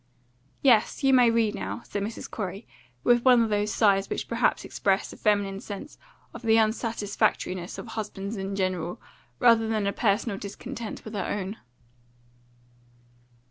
"Yes, you may read now," said Mrs. Corey, with one of those sighs which perhaps express a feminine sense of the unsatisfactoriness of husbands in general, rather than a personal discontent with her own.